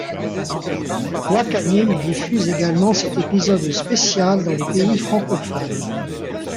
Wakanim diffuse également cet épisode spécial dans les pays francophones.